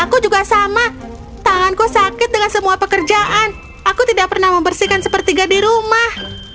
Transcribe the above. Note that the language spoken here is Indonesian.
aku juga sama tanganku sakit dengan semua pekerjaan aku tidak pernah membersihkan sepertiga di rumah